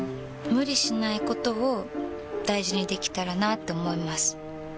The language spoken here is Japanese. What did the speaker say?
無理しないことを大事にできたらなって思います。